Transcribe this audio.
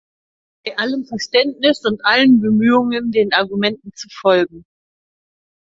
Bei allem Verständnis und allen Bemühungen, den Argumenten zu folgen.